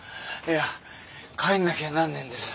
いや帰んなきゃなんねえんです。